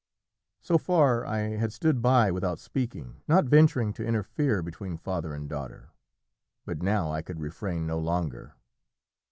So far I had stood by without speaking, not venturing to interfere between Father and Daughter, but now I could refrain no longer.